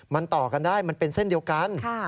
มันเป็นเส้นเดียวกัน